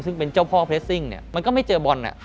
ซึ่งเป็นเจ้าพ่อเรสซิ่งเนี่ยมันก็ไม่เจอบอล